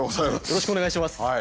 よろしくお願いします。